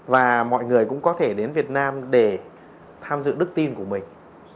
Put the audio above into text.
và mọi người cũng có thể đến việt nam để tham dự đức tin của mình